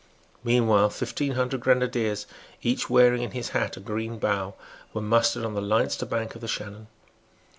Meanwhile, fifteen hundred grenadiers; each wearing in his hat a green bough, were mustered on the Leinster bank of the Shannon.